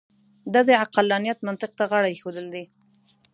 دا د عقلانیت منطق ته غاړه اېښودل دي.